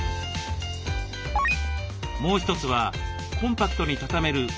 もう一つはコンパクトにたためる防寒具。